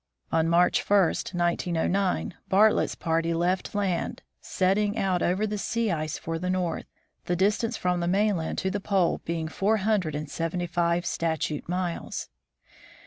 On March I, 1909, Bart lett's party left land, setting out over the sea ice for the north, the distance from the mainland to the Pole being four hundred and seventy five statute miles.